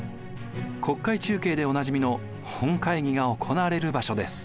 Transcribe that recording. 国会中継でおなじみの本会議が行われる場所です。